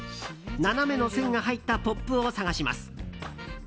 斜めの線が入ったポップを探します。